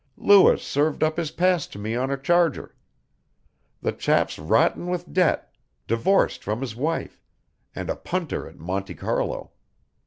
Lewis served up his past to me on a charger. The chap's rotten with debt, divorced from his wife, and a punter at Monte Carlo.